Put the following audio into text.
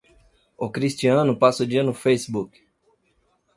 O Cristiano passa o dia no Facebook